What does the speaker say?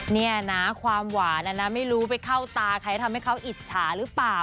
นี่นะความหวานไม่รู้ไปเข้าตาใครทำให้เขาอิจฉาหรือเปล่า